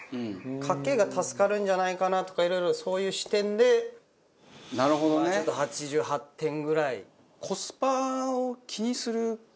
家計が助かるんじゃないかなとかいろいろそういう視点でちょっと８８点ぐらい。